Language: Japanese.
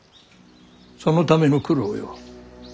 そのための九郎よ。